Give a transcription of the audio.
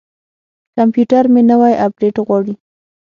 کمپیوټر مې نوی اپډیټ غواړي.